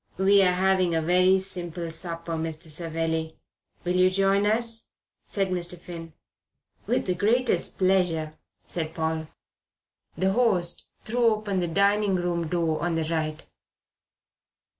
"We are having a very simple supper, Mr. Savelli. Will you join us?" said Mr. Finn. "With the greatest pleasure," said Paul. The host threw open the dining room door on the right.